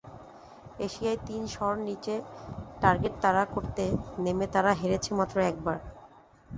এশিয়ায় তিন শর নিচে টার্গেট তাড়া করতে নেমে তাঁরা হেরেছে মাত্র একবার।